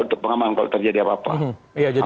untuk pengamanan kalau terjadi apa apa